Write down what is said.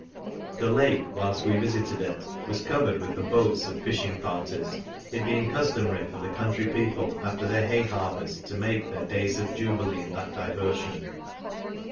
The Jake, whiift, we vifited it, was covered with the boats of £fhing parties ; it being cuftomary for the country people, after their hay harveft, to make their days of jubilee in that diverfion.